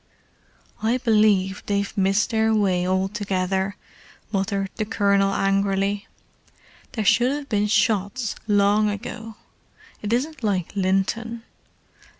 "I believe they've missed their way altogether," muttered the Colonel angrily. "There should hove been shots long ago. It isn't like Linton.